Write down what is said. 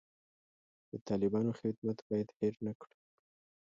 د طالبانو خدمت باید هیر نه کړو.